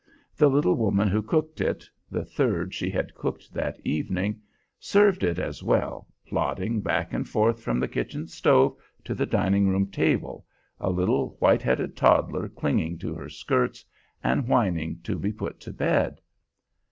The little woman who cooked it the third she had cooked that evening served it as well, plodding back and forth from the kitchen stove to the dining room table, a little white headed toddler clinging to her skirts, and whining to be put to bed.